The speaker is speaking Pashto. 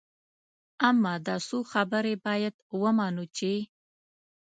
اما دا څو خبرې باید ومنو چې.